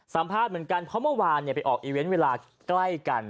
สัมภาษณ์เหมือนกันเพราะเมื่อวานไปออกอีเวนต์เวลาใกล้กัน